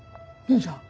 兄ちゃん！